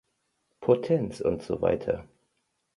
Potenz usw.